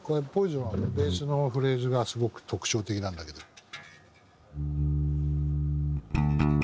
『ＰＯＩＳＯＮ』はベースのフレーズがすごく特徴的なんだけど。